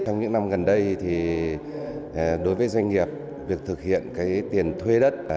trong những năm gần đây đối với doanh nghiệp việc thực hiện tiền thuê đất